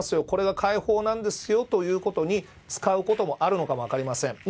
これが解放なんですよということに使うこともあるのかも分かりません。